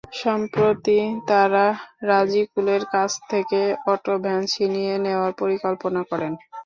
সম্প্রতি তাঁরা রাজিকুলের কাছ থেকে অটো ভ্যান ছিনিয়ে নেওয়ার পরিকল্পনা করেন।